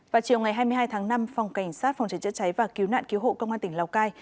vào chiều ngày hai mươi hai tháng năm phòng cảnh sát phòng cháy chữa cháy và cứu nạn cứu hộ công an tỉnh lào cai